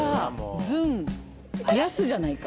「ずん」やすじゃないか？